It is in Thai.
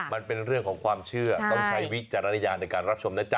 มันเป็นเรื่องของความเชื่อต้องใช้วิจารณญาณในการรับชมนะจ๊